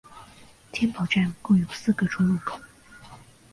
天宝站共有四个出入口。